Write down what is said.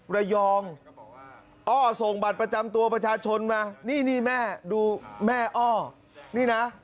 ระยองอ้อส่งบัตรประจำตัวประชาชนมานี่นี่แม่ดูแม่อ้อนี่นะ